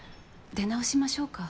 出直しましょうか？